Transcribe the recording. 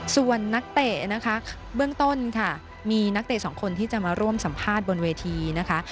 ส่วนนักเตะนะคะเบื้องต้นค่ะมีนักเตะสองคนที่จะมาร่วมสัมภาษณ์บนเวทีนะคะ